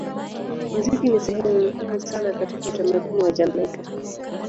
Muziki ni sehemu muhimu sana katika utamaduni wa Jamaika.